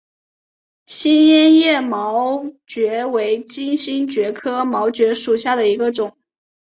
坚叶毛蕨为金星蕨科毛蕨属下的一个种。